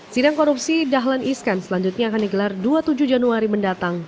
sidang korupsi dahlan iskan selanjutnya akan digelar dua puluh tujuh januari mendatang